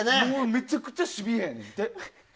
めちゃくちゃシビアやねんて。